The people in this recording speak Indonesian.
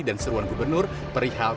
dan seruan gubernur perihal